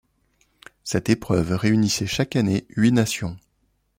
Cette épreuve réunissait chaque année huit nations.